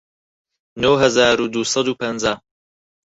نۆ هەزار و دوو سەد و پەنجا